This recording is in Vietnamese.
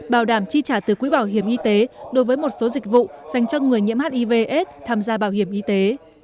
bảo đảm chi trả từ quỹ bảo hiểm y tế đối với một số dịch vụ dành cho người nhiễm hivs tham gia bảo hiểm y tế